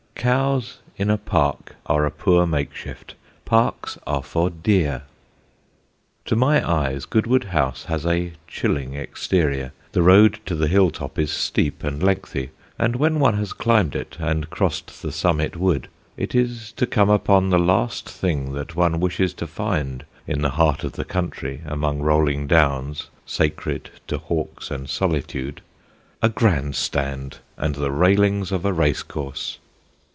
Cows in a park are a poor makeshift; parks are for deer. To my eyes Goodwood House has a chilling exterior; the road to the hill top is steep and lengthy; and when one has climbed it and crossed the summit wood, it is to come upon the last thing that one wishes to find in the heart of the country, among rolling Downs, sacred to hawks and solitude a Grand Stand and the railings of a race course!